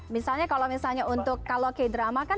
misalnya kalau misalnya untuk kalau k drama kan